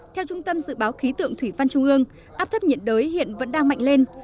theo trung tâm dự báo khí tượng thủy văn trung ương áp thấp nhiệt đới hiện vẫn đang mạnh lên